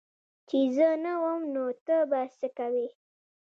چي زه نه وم نو ته به څه کوي